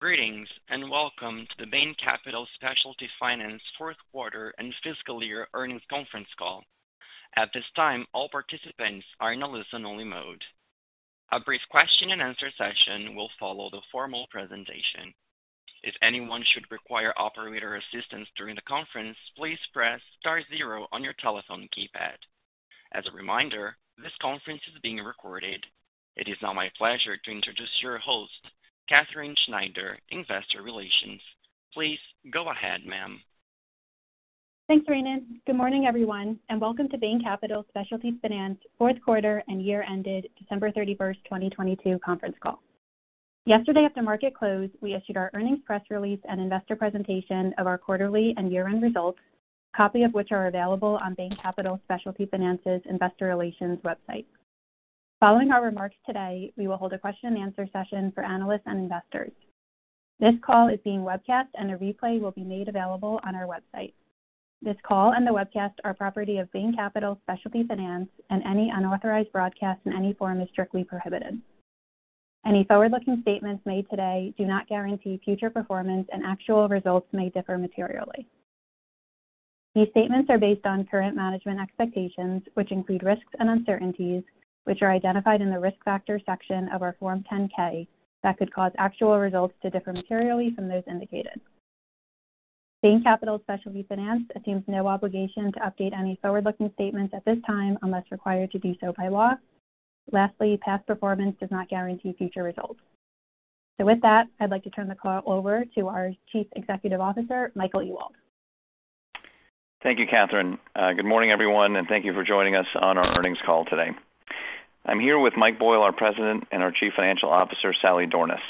Greetings, welcome to the Bain Capital Specialty Finance Q4 and fiscal year earnings conference call. At this time, all participants are in a listen-only mode. A brief question-and-answer session will follow the formal presentation. If anyone should require operator assistance during the conference, please press star zero on your telephone keypad. As a reminder, this conference is being recorded. It is now my pleasure to introduce your host, Katherine Schneider, Investor Relations. Please go ahead, ma'am. Thanks, Rana. Good morning, everyone, and welcome to Bain Capital Specialty Finance Q4 and year-ended December 31, 2022 conference call. Yesterday, after market close, we issued our earnings press release and investor presentation of our quarterly and year-end results, copy of which are available on Bain Capital Specialty Finance's investor relations website. Following our remarks today, we will hold a question and answer session for analysts and investors. This call is being webcast, and a replay will be made available on our website. This call and the webcast are property of Bain Capital Specialty Finance, and any unauthorized broadcast in any form is strictly prohibited. Any forward-looking statements made today do not guarantee future performance, and actual results may differ materially. These statements are based on current management expectations, which include risks and uncertainties, which are identified in the Risk Factors section of our Form 10-K that could cause actual results to differ materially from those indicated. Bain Capital Specialty Finance assumes no obligation to update any forward-looking statements at this time, unless required to do so by law. Lastly, past performance does not guarantee future results. With that, I'd like to turn the call over to our Chief Executive Officer, Michael Ewald. Thank you, Katherine. Good morning, everyone, and thank you for joining us on our earnings call today. I'm here with Mike Boyle, our President, and our Chief Financial Officer, Sally Dornaus.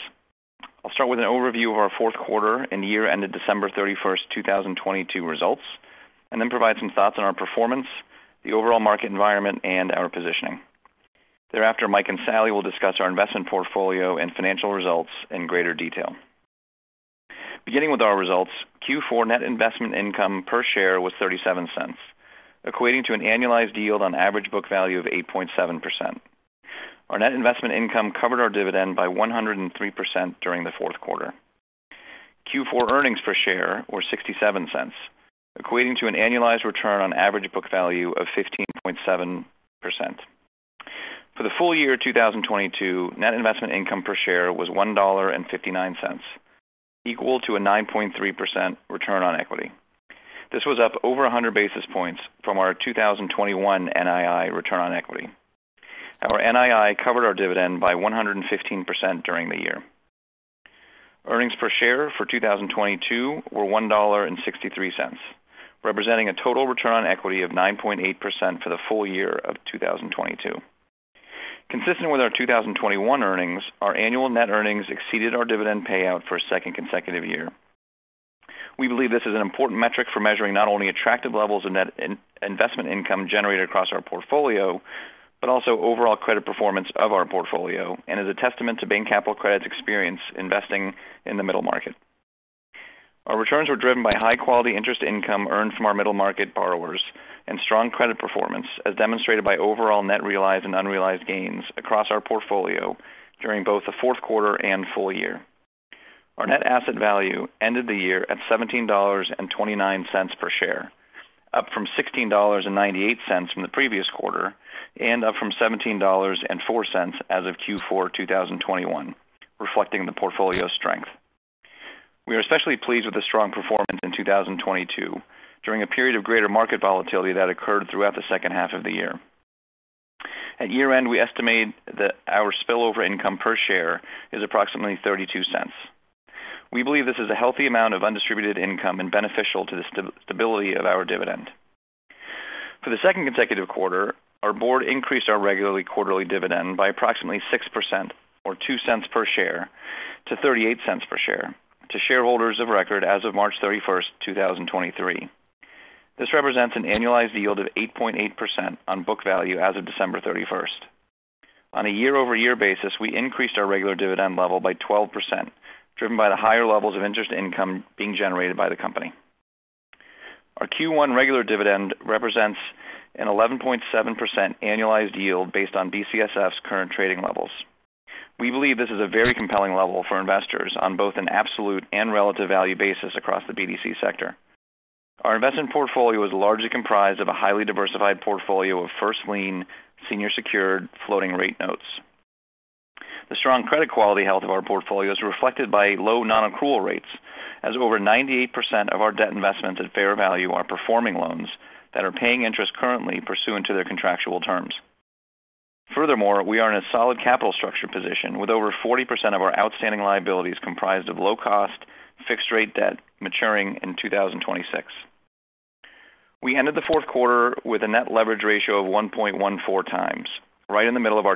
I'll start with an overview of our Q4 and year-ended December 31st, 2022 results, and then provide some thoughts on our performance, the overall market environment, and our positioning. Thereafter, Mike and Sally will discuss our investment portfolio and financial results in greater detail. Beginning with our results, Q4 net investment income per share was $0.37, equating to an annualized yield on average book value of 8.7%. Our net investment income covered our dividend by 103% during the Q4. Q4 earnings per share were $0.67, equating to an annualized return on average book value of 15.7%. For the full year 2022, Net Investment Income per share was $1.59, equal to a 9.3% return on equity. This was up over 100 basis points from our 2021 NII return on equity. Our NII covered our dividend by 115% during the year. Earnings per share for 2022 were $1.63, representing a total return on equity of 9.8% for the full year of 2022. Consistent with our 2021 earnings, our annual net earnings exceeded our dividend payout for a second consecutive year. We believe this is an important metric for measuring not only attractive levels of Net Investment Income generated across our portfolio, but also overall credit performance of our portfolio and is a testament to Bain Capital Credit's experience investing in the middle market. Our returns were driven by high-quality interest income earned from our middle market borrowers and strong credit performance as demonstrated by overall net realized and unrealized gains across our portfolio during both the Q4 and full year. Our Net Asset Value ended the year at $17.29 per share, up from $16.98 from the previous quarter and up from $17.04 as of Q4 2021, reflecting the portfolio's strength. We are especially pleased with the strong performance in 2022 during a period of greater market volatility that occurred throughout the H2 of the year. At year-end, we estimate that our spillover income per share is approximately $0.32. We believe this is a healthy amount of undistributed income and beneficial to the stability of our dividend. For the second consecutive quarter, our board increased our regularly quarterly dividend by approximately 6% or $0.02 per share to $0.38 per share to shareholders of record as of March 31st, 2023. This represents an annualized yield of 8.8% on book value as of December 31st. On a year-over-year basis, we increased our regular dividend level by 12%, driven by the higher levels of interest income being generated by the company. Our Q1 regular dividend represents an 11.7% annualized yield based on BCSF's current trading levels. We believe this is a very compelling level for investors on both an absolute and relative value basis across the BDC sector. Our investment portfolio is largely comprised of a highly diversified portfolio of first lien, senior secured floating rate notes. The strong credit quality health of our portfolio is reflected by low non-accrual rates, as over 98% of our debt investments at fair value are performing loans that are paying interest currently pursuant to their contractual terms. Furthermore, we are in a solid capital structure position, with over 40% of our outstanding liabilities comprised of low-cost fixed-rate debt maturing in 2026. We ended the Q4 with a net leverage ratio of 1.14x, right in the middle of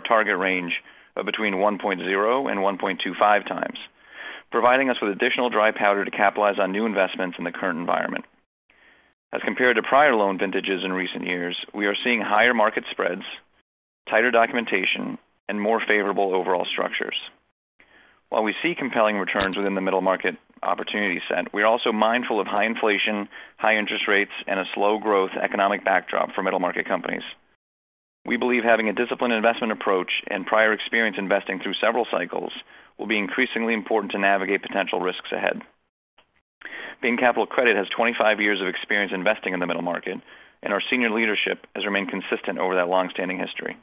our target range of between 1.0 and 1.25x, providing us with additional dry powder to capitalize on new investments in the current environment. As compared to prior loan vintages in recent years, we are seeing higher market spreads, tighter documentation, and more favorable overall structures. While we see compelling returns within the middle market opportunity set, we are also mindful of high inflation, high interest rates, and a slow growth economic backdrop for middle market companies. We believe having a disciplined investment approach and prior experience investing through several cycles will be increasingly important to navigate potential risks ahead. Bain Capital Credit has 25 years of experience investing in the middle market, and our senior leadership has remained consistent over that long-standing history.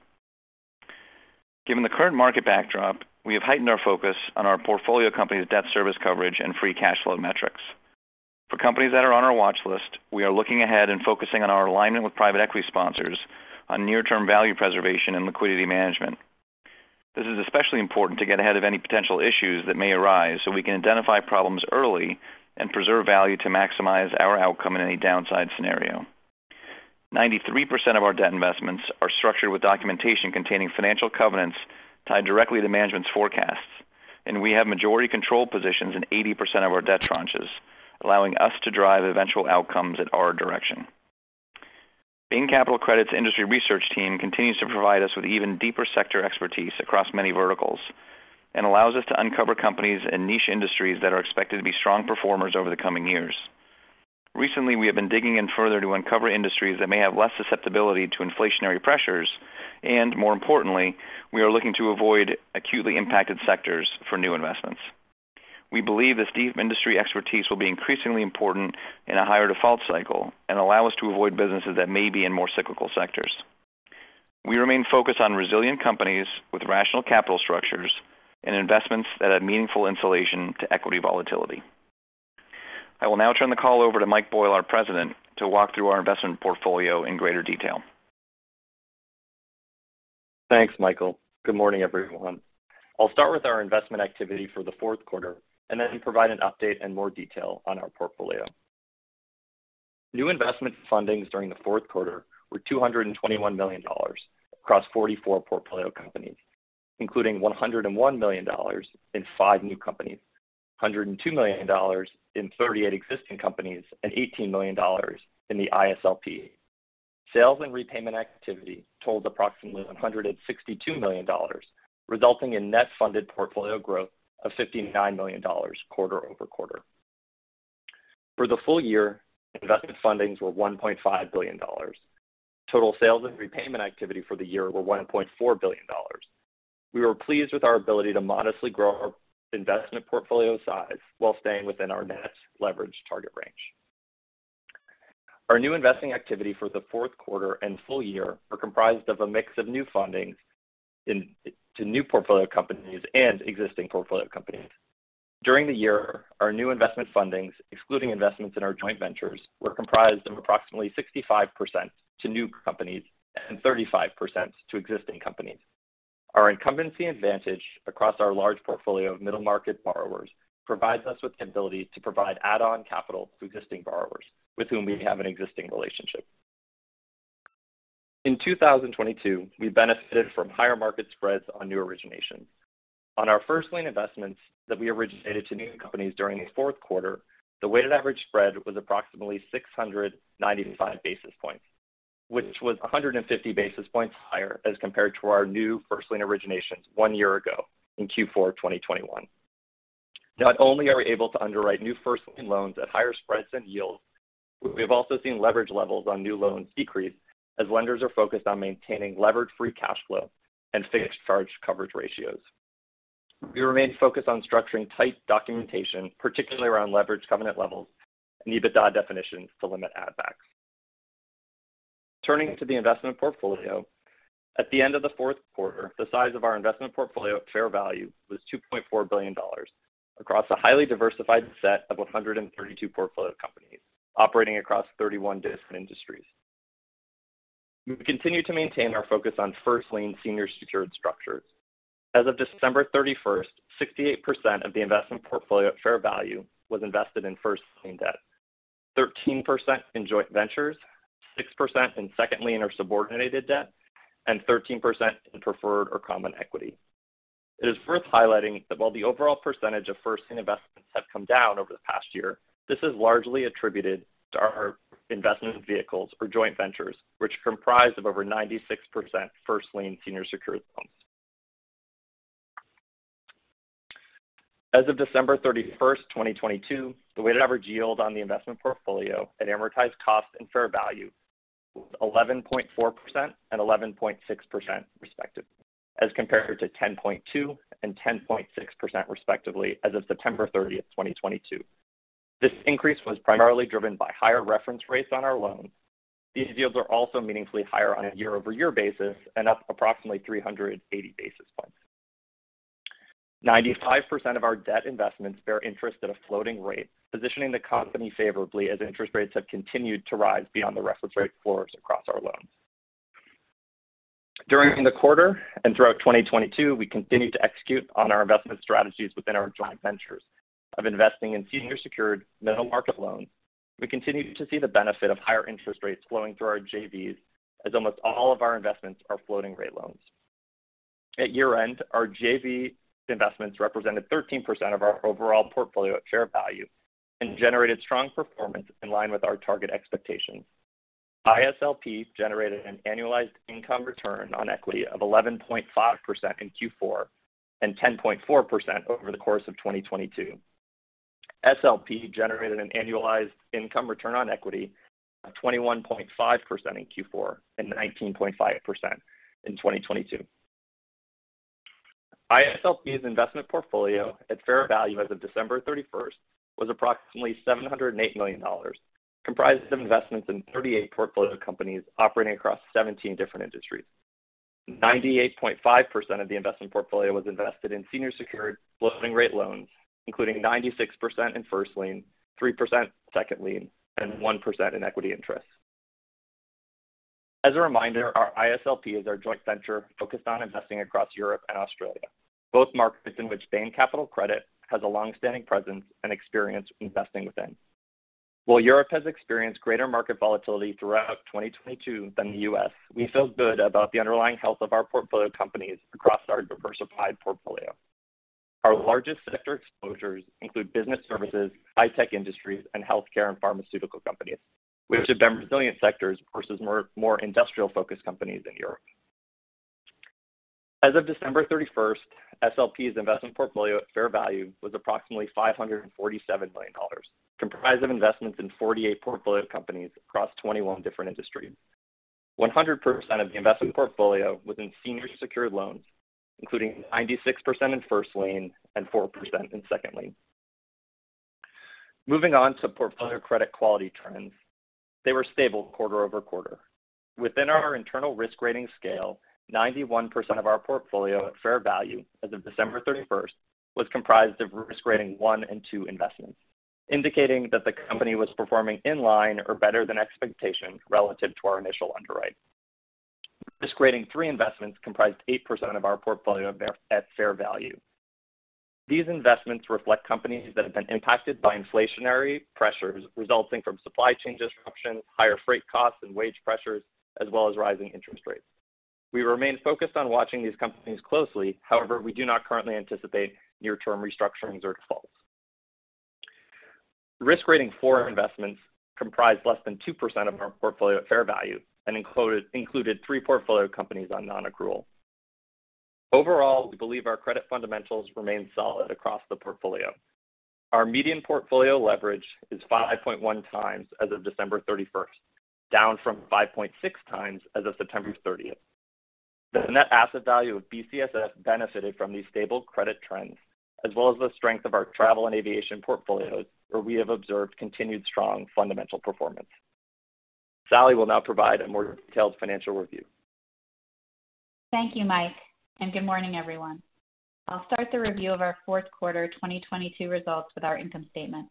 Given the current market backdrop, we have heightened our focus on our portfolio companies' debt service coverage and free cash flow metrics. For companies that are on our watch list, we are looking ahead and focusing on our alignment with private equity sponsors on near-term value preservation and liquidity management. This is especially important to get ahead of any potential issues that may arise so we can identify problems early and preserve value to maximize our outcome in any downside scenario. 93% of our debt investments are structured with documentation containing financial covenants tied directly to management's forecasts, and we have majority control positions in 80% of our debt tranches, allowing us to drive eventual outcomes at our direction. Bain Capital Credit's industry research team continues to provide us with even deeper sector expertise across many verticals and allows us to uncover companies in niche industries that are expected to be strong performers over the coming years. Recently, we have been digging in further to uncover industries that may have less susceptibility to inflationary pressures, and more importantly, we are looking to avoid acutely impacted sectors for new investments. We believe this deep industry expertise will be increasingly important in a higher default cycle and allow us to avoid businesses that may be in more cyclical sectors. We remain focused on resilient companies with rational capital structures and investments that add meaningful insulation to equity volatility. I will now turn the call over to Mike Boyle, our President, to walk through our investment portfolio in greater detail. Thanks, Michael. Good morning, everyone. I'll start with our investment activity for the Q4 and then provide an update and more detail on our portfolio. New investment fundings during the Q4 were $221 million across 44 portfolio companies, including $101 million in five new companies, $102 million in 38 existing companies, and $18 million in the ISLP. Sales and repayment activity totaled approximately $162 million, resulting in net funded portfolio growth of $59 million quarter-over-quarter. For the full year, investment fundings were $1.5 billion. Total sales and repayment activity for the year were $1.4 billion. We were pleased with our ability to modestly grow our investment portfolio size while staying within our net leverage target range. Our new investing activity for the Q4 and full year are comprised of a mix of new fundings to new portfolio companies and existing portfolio companies. During the year, our new investment fundings, excluding investments in our joint ventures, were comprised of approximately 65% to new companies and 35% to existing companies. Our incumbency advantage across our large portfolio of middle market borrowers provides us with the ability to provide add-on capital to existing borrowers with whom we have an existing relationship. In 2022, we benefited from higher market spreads on new originations. On our first lien investments that we originated to new companies during the Q4, the weighted average spread was approximately 695 basis points, which was 150 basis points higher as compared to our new first lien originations one year ago in Q4 of 2021. Not only are we able to underwrite new first lien loans at higher spreads and yields, we have also seen leverage levels on new loans decrease as lenders are focused on maintaining leverage-free cash flow and fixed charge coverage ratios. We remain focused on structuring tight documentation, particularly around leverage covenant levels and EBITDA definitions to limit add backs. Turning to the investment portfolio, at the end of the Q4, the size of our investment portfolio at fair value was $2.4 billion across a highly diversified set of 132 portfolio companies operating across 31 distinct industries. We continue to maintain our focus on first lien senior secured structures. As of December 31st, 68% of the investment portfolio at fair value was invested in first lien debt, 13% in joint ventures, 6% in second lien or subordinated debt, and 13% in preferred or common equity. It is worth highlighting that while the overall percentage of first lien investments have come down over the past year, this is largely attributed to our investment vehicles or joint ventures, which comprise of over 96% first lien senior secured loans. As of December 31st, 2022, the weighted average yield on the investment portfolio at amortized cost and fair value was 11.4% and 11.6% respectively, as compared to 10.2% and 10.6% respectively as of September 30th, 2022. This increase was primarily driven by higher reference rates on our loans. These yields are also meaningfully higher on a year-over-year basis and up approximately 380 basis points. 95% of our debt investments bear interest at a floating rate, positioning the company favorably as interest rates have continued to rise beyond the reference rate floors across our loans. During the quarter and throughout 2022, we continued to execute on our investment strategies within our joint ventures of investing in senior secured middle-market loans. We continue to see the benefit of higher interest rates flowing through our JVs as almost all of our investments are floating rate loans. At year-end, our JV investments represented 13% of our overall portfolio at fair value and generated strong performance in line with our target expectations. ISLP generated an annualized income return on equity of 11.5% in Q4 and 10.4% over the course of 2022. ISLP generated an annualized income return on equity of 21.5% in Q4 and 19.5% in 2022. ISLP's investment portfolio at fair value as of December 31st was approximately $708 million, comprised of investments in 38 portfolio companies operating across 17 different industries. 98.5% of the investment portfolio was invested in senior secured floating rate loans, including 96% in first lien, 3% second lien, and 1% in equity interest. As a reminder, our ISLP is our joint venture focused on investing across Europe and Australia, both markets in which Bain Capital Credit has a long-standing presence and experience investing within. While Europe has experienced greater market volatility throughout 2022 than the U.S., we feel good about the underlying health of our portfolio companies across our diversified portfolio. Our largest sector exposures include business services, high-tech industries, and healthcare and pharmaceutical companies, which have been resilient sectors versus more industrial-focused companies in Europe. As of December 31st, SLP's investment portfolio at fair value was approximately $547 million, comprised of investments in 48 portfolio companies across 21 different industries. 100% of the investment portfolio was in senior secured loans, including 96% in first lien and 4% in second lien. Moving on to portfolio credit quality trends. They were stable quarter-over-quarter. Within our internal risk rating scale, 91% of our portfolio at fair value as of December 31st was comprised of risk rating one and two investments, indicating that the company was performing in line or better than expectations relative to our initial underwrite. Risk rating three investments comprised 8% of our portfolio at fair value. These investments reflect companies that have been impacted by inflationary pressures resulting from supply chain disruptions, higher freight costs and wage pressures, as well as rising interest rates. We remain focused on watching these companies closely. We do not currently anticipate near-term restructurings or defaults. Risk rating four investments comprised less than 2% of our portfolio at fair value and included three portfolio companies on non-accrual. We believe our credit fundamentals remain solid across the portfolio. Our median portfolio leverage is 5.1 x as of December 31st, down from 5.6xas of September 30th. The net asset value of BCSF benefited from these stable credit trends, as well as the strength of our travel and aviation portfolios, where we have observed continued strong fundamental performance. Sally will now provide a more detailed financial review. Thank you, Mike, and good morning, everyone. I'll start the review of our Q4 2022 results with our income statement.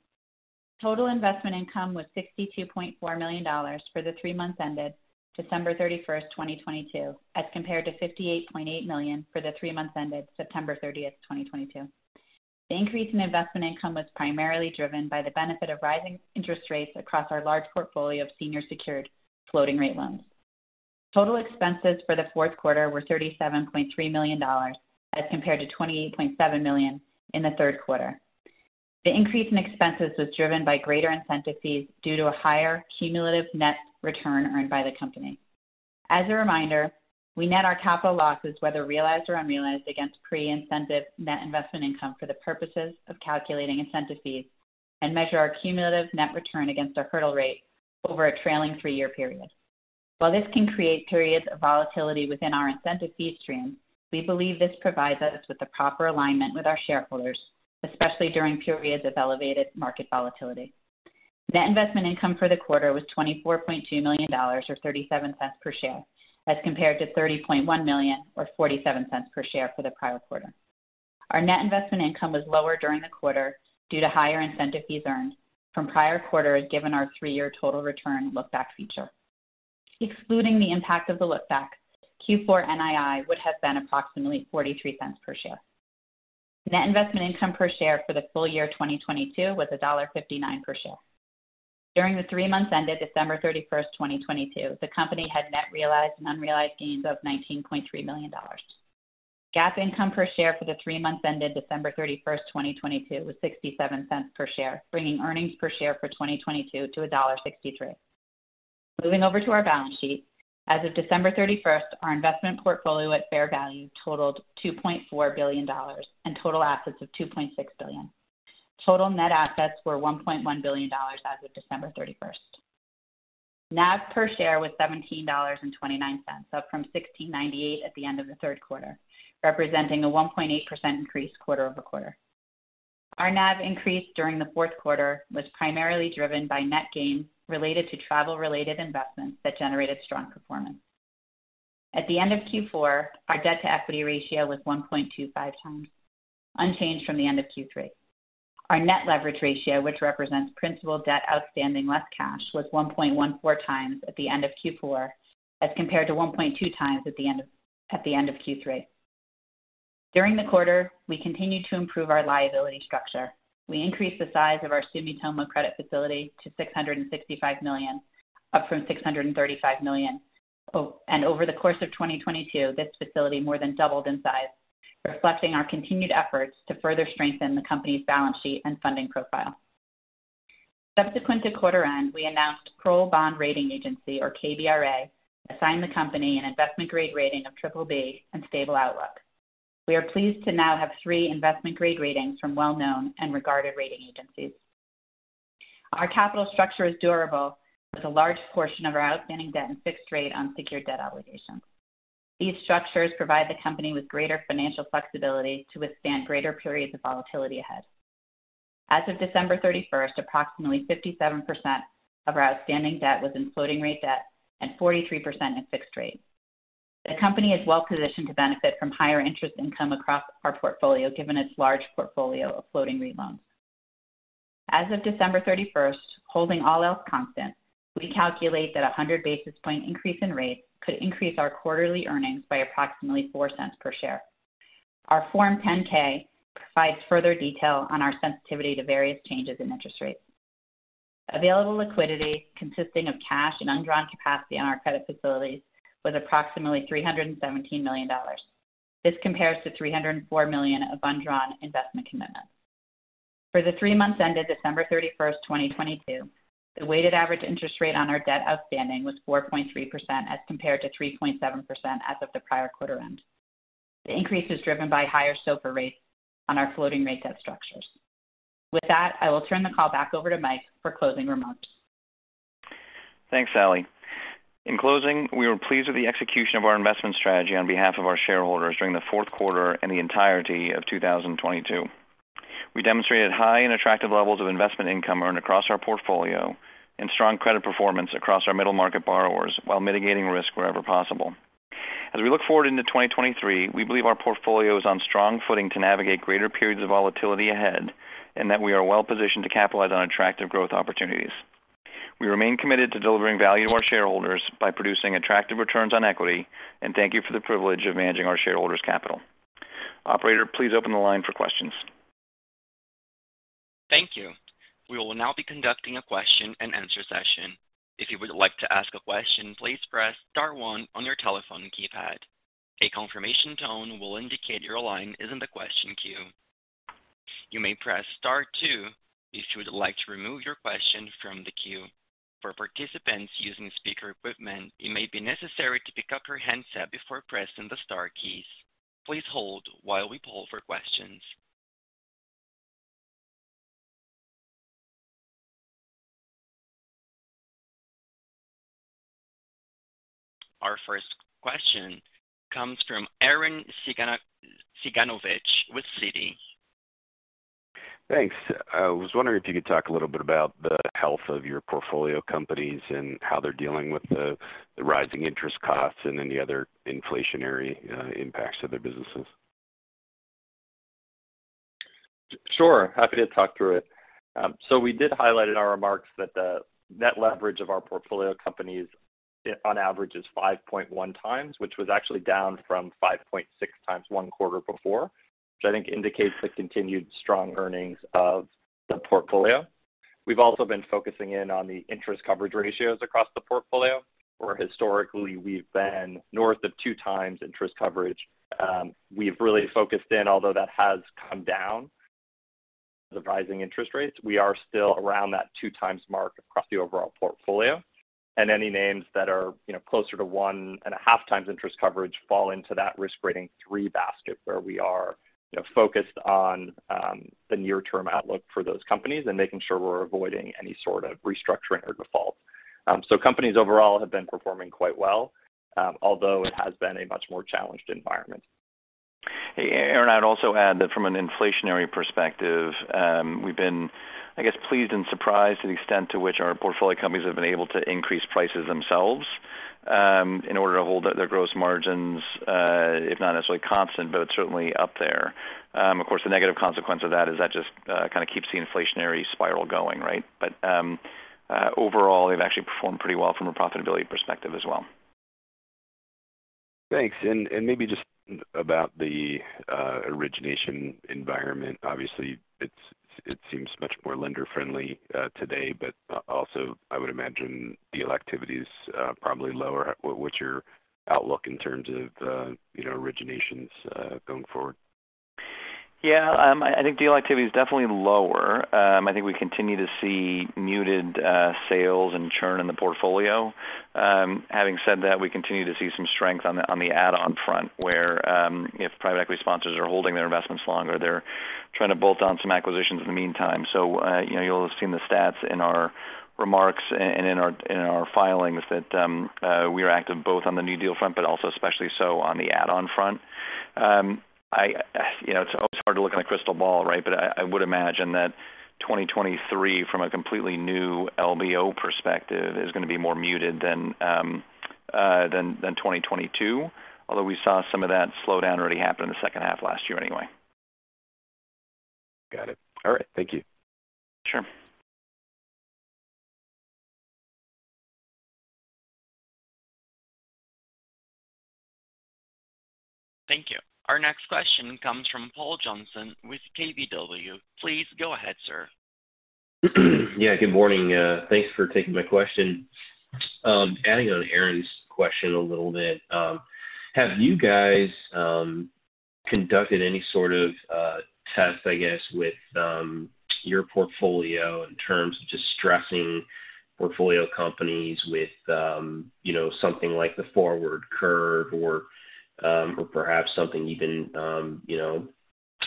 Total investment income was $62.4 million for the three months ended December 31st, 2022, as compared to $58.8 million for the three months ended September 30th, 2022. The increase in investment income was primarily driven by the benefit of rising interest rates across our large portfolio of senior secured floating rate loans. Total expenses for the Q4 were $37.3 million, as compared to $28.7 million in the Q3. The increase in expenses was driven by greater incentive fees due to a higher cumulative net return earned by the company. As a reminder, we net our capital losses, whether realized or unrealized against pre-incentive Net Investment Income for the purposes of calculating incentive fees and measure our cumulative net return against our hurdle rate over a trailing three-year period. While this can create periods of volatility within our incentive fee stream, we believe this provides us with the proper alignment with our shareholders, especially during periods of elevated market volatility. Net Investment Income for the quarter was $24.2 million or $0.37 per share, as compared to $30.1 million or $0.47 per share for the prior quarter. Our Net Investment Income was lower during the quarter due to higher incentive fees earned from prior quarters, given our three-year total return look-back feature. Excluding the impact of the look-back, Q4 NII would have been approximately $0.43 per share. Net investment income per share for the full year 2022 was $1.59 per share. During the three months ended December 31st, 2022, the company had net realized and unrealized gains of $19.3 million. GAAP income per share for the three months ended December 31st, 2022 was $0.67 per share, bringing earnings per share for 2022 to $1.63. Moving over to our balance sheet. As of December 31st, our investment portfolio at fair value totaled $2.4 billion and total assets of $2.6 billion. Total net assets were $1.1 billion as of December 31st. NAV per share was $17.29, up from $16.98 at the end of the Q3, representing a 1.8% increase quarter-over-quarter. Our NAV increase during the Q4 was primarily driven by net gains related to travel-related investments that generated strong performance. At the end of Q4, our debt-to-equity ratio was 1.25x, unchanged from the end of Q3. Our net leverage ratio, which represents principal debt outstanding less cash, was 1.14x at the end of Q4 as compared to 1.2x at the end of Q3. During the quarter, we continued to improve our liability structure. We increased the size of our Sumitomo credit facility to $665 million, up from $635 million. Over the course of 2022, this facility more than doubled in size, reflecting our continued efforts to further strengthen the company's balance sheet and funding profile. Subsequent to quarter end, we announced Kroll Bond Rating Agency, or KBRA, assigned the company an investment-grade rating of BBB and stable outlook. We are pleased to now have three investment-grade ratings from well-known and regarded rating agencies. Our capital structure is durable, with a large portion of our outstanding debt and fixed rate on secured debt obligations. These structures provide the company with greater financial flexibility to withstand greater periods of volatility ahead. As of December 31st, approximately 57% of our outstanding debt was in floating rate debt and 43% in fixed rate. The company is well-positioned to benefit from higher interest income across our portfolio, given its large portfolio of floating rate loans. As of December 31st, holding all else constant, we calculate that a 100 basis point increase in rates could increase our quarterly earnings by approximately $0.04 per share. Our Form 10-K provides further detail on our sensitivity to various changes in interest rates. Available liquidity consisting of cash and undrawn capacity on our credit facilities was approximately $317 million. This compares to $304 million of undrawn investment commitments. For the three months ended December 31st, 2022, the weighted average interest rate on our debt outstanding was 4.3% as compared to 3.7% as of the prior quarter end. The increase is driven by higher SOFR rates on our floating rate debt structures. With that, I will turn the call back over to Mike for closing remarks. Thanks, Sally. In closing, we were pleased with the execution of our investment strategy on behalf of our shareholders during the Q4 and the entirety of 2022. We demonstrated high and attractive levels of investment income earned across our portfolio and strong credit performance across our middle market borrowers while mitigating risk wherever possible. As we look forward into 2023, we believe our portfolio is on strong footing to navigate greater periods of volatility ahead and that we are well-positioned to capitalize on attractive growth opportunities. We remain committed to delivering value to our shareholders by producing attractive returns on equity, and thank you for the privilege of managing our shareholders' capital. Operator, please open the line for questions. Thank you. We will now be conducting a question and answer session. If you would like to ask a question, please press star one on your telephone keypad. A confirmation tone will indicate your line is in the question queue. You may press star two if you would like to remove your question from the queue. For participants using speaker equipment, it may be necessary to pick up your handset before pressing the star keys. Please hold while we poll for questions. Our first question comes from Arren Cyganovich with Citi. Thanks. I was wondering if you could talk a little bit about the health of your portfolio companies and how they're dealing with the rising interest costs and any other inflationary impacts to their businesses? Sure. Happy to talk through it. We did highlight in our remarks that the net leverage of our portfolio companies on average is 5.1x, which was actually down from 5.6x one quarter before, which I think indicates the continued strong earnings of the portfolio. We've also been focusing in on the interest coverage ratios across the portfolio, where historically we've been north of 2x interest coverage. We've really focused in, although that has come down as rising interest rates. We are still around that 2x mark across the overall portfolio. Any names that are, you know, closer to 1.5x interest coverage fall into that risk rating three basket, where we are, you know, focused on the near term outlook for those companies and making sure we're avoiding any sort of restructuring or default. Companies overall have been performing quite well, although it has been a much more challenged environment. Hey, Arren, I'd also add that from an inflationary perspective, we've been, I guess, pleased and surprised to the extent to which our portfolio companies have been able to increase prices themselves, in order to hold their gross margins, if not necessarily constant, but certainly up there. Of course, the negative consequence of that is that just kinda keeps the inflationary spiral going, right? Overall, they've actually performed pretty well from a profitability perspective as well. Thanks. Maybe just about the origination environment, obviously it seems much more lender-friendly today, but also I would imagine deal activity is probably lower. What's your outlook in terms of, you know, originations going forward? Yeah, I think deal activity is definitely lower. I think we continue to see muted sales and churn in the portfolio. Having said that, we continue to see some strength on the, on the add-on front where, if private equity sponsors are holding their investments longer, they're trying to bolt on some acquisitions in the meantime. You know, you'll have seen the stats in our remarks and in our, in our filings that, we are active both on the new deal front, but also especially so on the add-on front. You know, it's always hard to look in a crystal ball, right? I would imagine that 2023 from a completely new LBO perspective is gonna be more muted than 2022, although we saw some of that slowdown already happen in the H2 last year anyway. Got it. All right. Thank you. Sure. Thank you. Our next question comes from Paul Johnson with KBW. Please go ahead, sir. Good morning. Thanks for taking my question. Adding on Arren's question a little bit, have you guys conducted any sort of test, I guess, with your portfolio in terms of just stressing portfolio companies with, you know, something like the forward curve or perhaps something even, you know,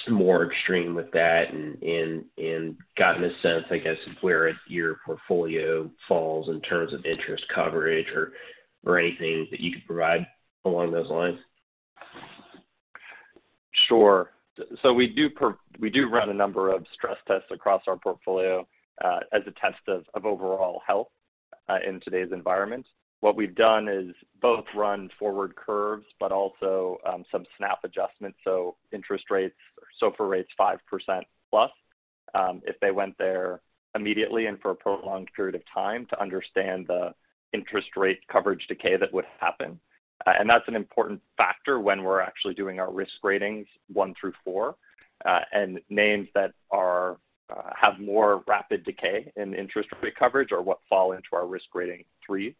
more extreme with that and gotten a sense, I guess, where your portfolio falls in terms of interest coverage or anything that you could provide along those lines? Sure. We do run a number of stress tests across our portfolio as a test of overall health in today's environment. What we've done is both run forward curves but also some snap adjustments, so interest rates, SOFR rates +5%, if they went there immediately and for a prolonged period of time to understand the interest rate coverage decay that would happen. That's an important factor when we're actually doing our risk ratings one through four. Names that are have more rapid decay in interest rate coverage are what fall into our risk rating three,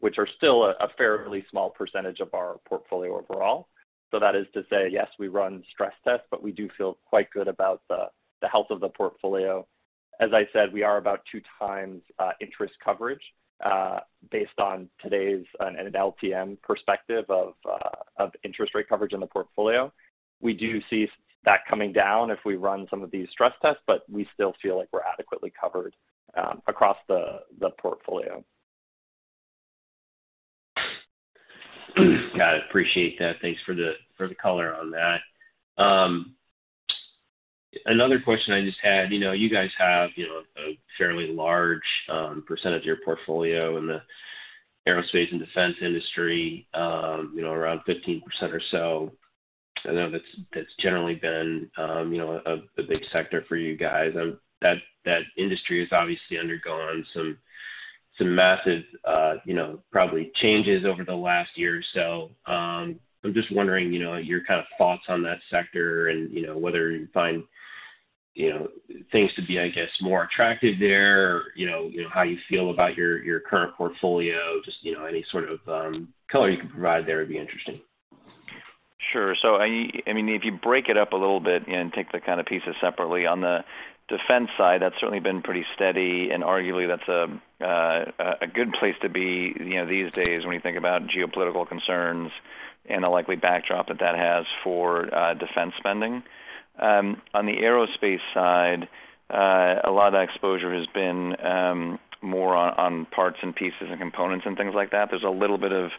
which are still a fairly small percentage of our portfolio overall. That is to say, yes, we run stress tests, but we do feel quite good about the health of the portfolio. As I said, we are about 2x interest coverage, based on today's and an LTM perspective of interest rate coverage in the portfolio. We do see that coming down if we run some of these stress tests, but we still feel like we're adequately covered across the portfolio. Got it. Appreciate that. Thanks for the color on that. Another question I just had, you know, you guys have, you know, a fairly large percentage of your portfolio in the aerospace and defense industry, you know, around 15% or so. I know that's generally been, you know, a big sector for you guys. That, that industry has obviously undergone some massive, you know, probably changes over the last year or so. I'm just wondering, you know, your kind of thoughts on that sector and, you know, whether you find, you know, things to be, I guess, more attractive there, you know, you know, how you feel about your current portfolio, just, you know, any sort of color you can provide there would be interesting. Sure. I mean, if you break it up a little bit and take the kind of pieces separately, on the defense side, that's certainly been pretty steady and arguably that's a good place to be, you know, these days when you think about geopolitical concerns and the likely backdrop that that has for defense spending. On the aerospace side, a lot of that exposure has been more on parts and pieces and components and things like that. There's a little bit of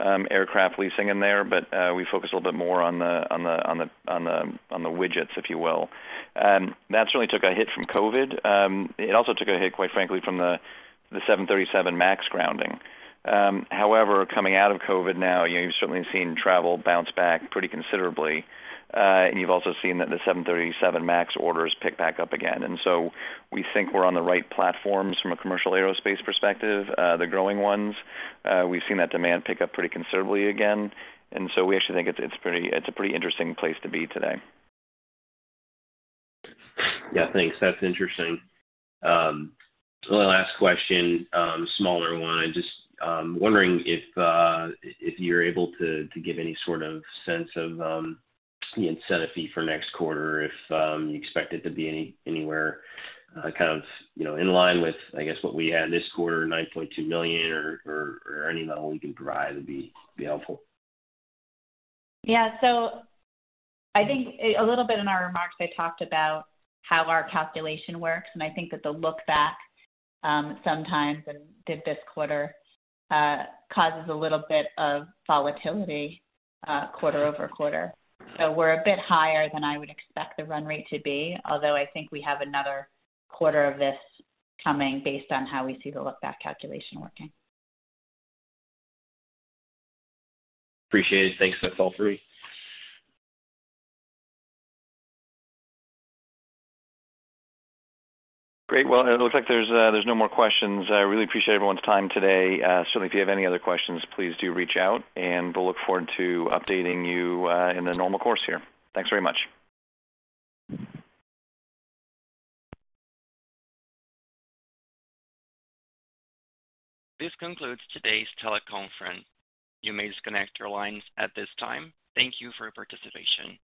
aircraft leasing in there, but we focus a little bit more on the widgets, if you will. That certainly took a hit from COVID. It also took a hit, quite frankly, from the 737 MAX grounding. However, coming out of COVID now, you know, you've certainly seen travel bounce back pretty considerably. You've also seen that the 737 MAX orders pick back up again. We think we're on the right platforms from a commercial aerospace perspective. The growing ones, we've seen that demand pick up pretty considerably again. We actually think it's a pretty interesting place to be today. Yeah, thanks. That's interesting. One last question, smaller one. Just wondering if you're able to give any sort of sense of the incentive fee for next quarter, if you expect it to be anywhere, kind of, you know, in line with, I guess, what we had this quarter, $9.2 million, or any level you can provide would be helpful. I think a little bit in our remarks, I talked about how our calculation works, and I think that the look-back, sometimes and did this quarter, causes a little bit of volatility, quarter-over-quarter. We're a bit higher than I would expect the run rate to be, although I think we have another quarter of this coming based on how we see the look-back calculation working. Appreciate it. Thanks. That's all for me. Great. Well, it looks like there's no more questions. I really appreciate everyone's time today. Certainly if you have any other questions, please do reach out, and we'll look forward to updating you, in the normal course here. Thanks very much. This concludes today's teleconference. You may disconnect your lines at this time. Thank you for your participation.